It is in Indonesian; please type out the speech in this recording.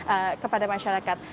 ini kepada masyarakat